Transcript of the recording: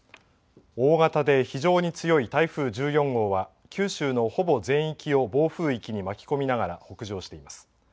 大型で非常に強い台風１４号は九州のほぼ全域を暴風域に巻き込みながら、北上しています。